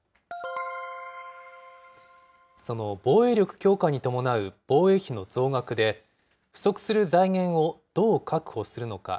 その防衛力強化に伴う防衛費の増額で、不足する財源をどう確保するのか。